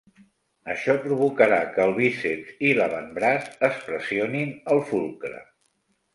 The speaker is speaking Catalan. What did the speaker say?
Això provocarà que el bíceps i l'avantbraç es pressionin al fulcre.